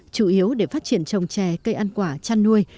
chủ yếu để phát triển trồng chè cây ăn quả chăn nuôi